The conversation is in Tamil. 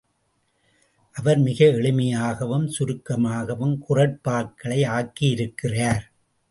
அவர் மிக எளிமையாகவும், சுருக்கமாகவும் குறட்பாக்களை ஆக்கியிருக்கிறார்.